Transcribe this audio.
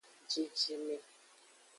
Jijime.